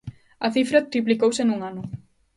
A cifra triplicouse nun ano.